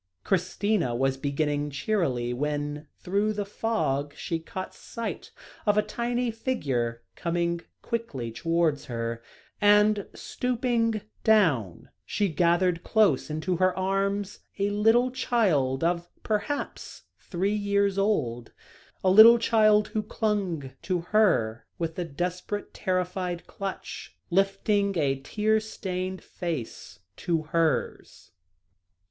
Christina was beginning cheerily, when, through the fog, she caught sight of a tiny figure coming quickly towards her, and, stooping down, she gathered close into her arms a little child, of perhaps three years old, a little child who clung to her with a desperate, terrified clutch, lifting a tear stained face to hers.